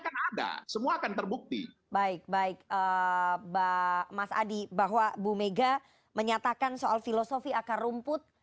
kan ada semua akan terbukti baik baik mbak mas adi bahwa bu mega menyatakan soal filosofi akar rumput